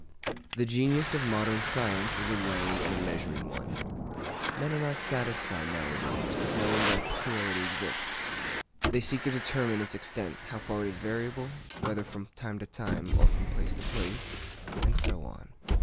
The genius of modern science is a weighing and a measuring one. Men are not satisfied nowadays with knowing that a peculiarity exists; they seek to determine its extent, how far it is variable—whether from time to time or from place to place, and so on.